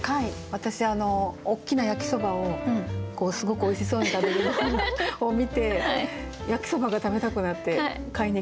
私あの大きな焼きそばをこうすごくおいしそうに食べる動画を見て焼きそばが食べたくなって買いに行きました。